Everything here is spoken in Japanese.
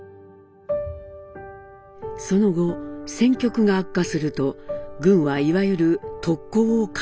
その後戦局が悪化すると軍はいわゆる「特攻」を開始。